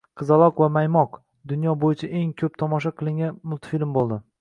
“Qizaloq va maymoq” dunyo bo‘yicha eng ko‘p tomosha qilingan multfilm bo‘ldi